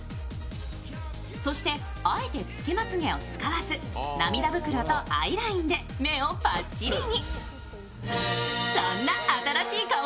そしてあえてつけまつ毛を使わず涙袋とアイラインで目をぱっちりに。